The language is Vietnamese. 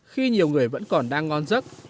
khi nhiều người vẫn còn đang ngon rất